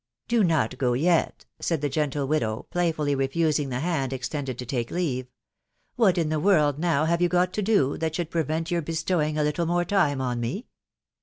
" Do not go yet," .... said the gentle widow, playfully refusing the hand extended to take leave. " What in the world now have you got to do, that should prevent your be stowing a little more time on me